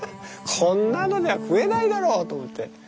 こんなのじゃ食えないだろうと思って。